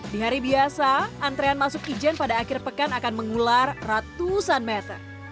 di hari biasa antrean masuk ijen pada akhir pekan akan mengular ratusan meter